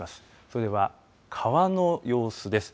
それでは川の様子です。